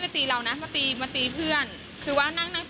คือตีมุ่งหรอพี่คือใครอยู่ก่อนก็คือตีหมดอ่ะ